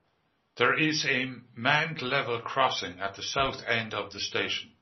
There is a manned level crossing at the south end of the station.